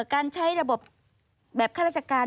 การใช้ระบบแบบข้าราชการ